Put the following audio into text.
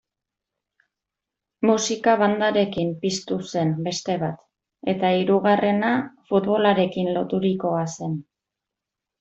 Musika-bandarekin piztu zen beste bat, eta hirugarrena futbolarekin loturikoa zen.